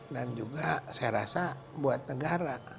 dan juga saya rasa buat negara